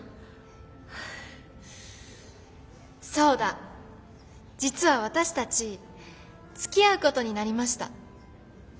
そうだ実は私たちつきあうことになりました。